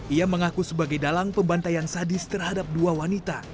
ia mengaku sebagai dalang pembantaian sadis terhadap dua wanita